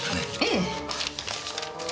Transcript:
ええ。